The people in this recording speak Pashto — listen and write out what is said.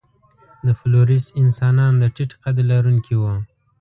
د فلورېس انسانان د ټیټ قد لرونکي وو.